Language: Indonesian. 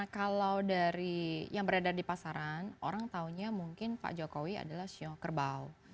kalau dari yang beredar di pasaran orang taunya mungkin pak jokowi adalah siok kerbau